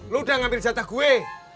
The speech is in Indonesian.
lu udah ngambil jatah gue